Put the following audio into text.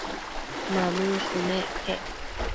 Mamënshunec quec